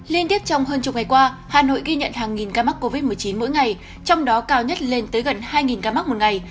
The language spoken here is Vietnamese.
liên tiếp trong hơn chục ngày qua hà nội ghi nhận hàng nghìn ca mắc covid một mươi chín mỗi ngày trong đó cao nhất lên tới gần hai ca mắc một ngày